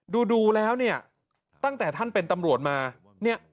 ดูแล้วเนี่ยตั้งแต่ท่านเป็นตำรวจมาเนี่ย